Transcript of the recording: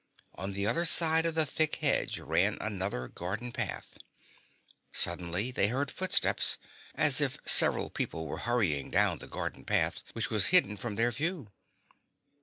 On the other side of the thick hedge ran another garden path. Suddenly they heard footsteps, as if several people were hurrying down the garden path which was hidden from their view.